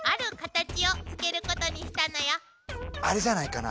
そこであれじゃないかな。